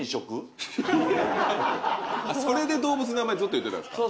それで動物の名前ずっと言ってたんですか？